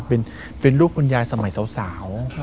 เป็นลูกคุณยายสมัยสาว